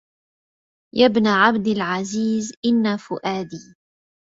يا ابن عبد العزيز إن فؤادي